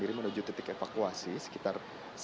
diri menuju titik evakuasi sekitar